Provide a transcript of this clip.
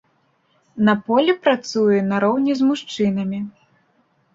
На полі працуе нароўні з мужчынамі.